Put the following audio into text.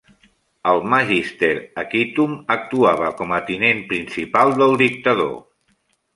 El Magister Equitum actuava como a tinent principal del dictador.